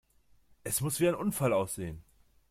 Es muss wie ein Unfall aussehen!